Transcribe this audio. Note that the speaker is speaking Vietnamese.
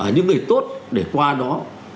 những người tốt để qua đó